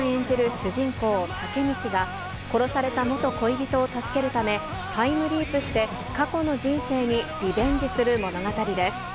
主人公、タケミチが、殺された元恋人を助けるため、タイムリープして、過去の人生にリベンジする物語です。